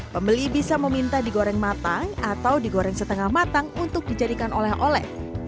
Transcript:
pembeli bisa meminta digoreng matang atau digoreng setengah matang untuk dijadikan oleh oleh